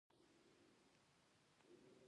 د کروندګرو لپاره د نوې ټکنالوژۍ روزنه ضروري ده.